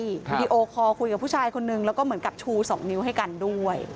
วิดีโอคอลคุยกับผู้ชายคนนึงแล้วก็เหมือนกับชู๒นิ้วให้กันด้วย